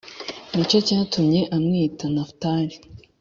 Ni cyo cyatumye amwita Nafutali